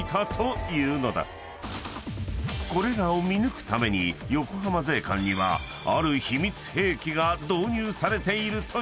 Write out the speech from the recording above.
［これらを見抜くために横浜税関にはある秘密兵器が導入されているという］